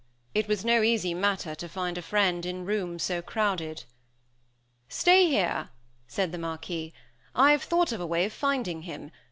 It was no easy matter to find a friend in rooms so crowded. "Stay here," said the Marquis, "I have thought of a way of finding him.